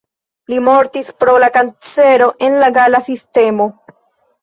Li mortis pro la kancero en la gala sistemo.